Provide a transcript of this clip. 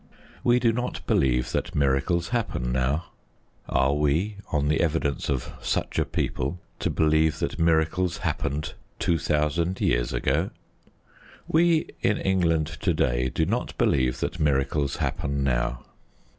We do not believe that miracles happen now. Are we, on the evidence of such a people, to believe that miracles happened two thousand years ago? We in England to day do not believe that miracles happen now.